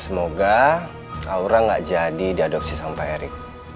semoga aura gak jadi diadopsi sama pak erik